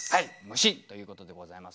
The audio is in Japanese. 「虫」ということでございますね。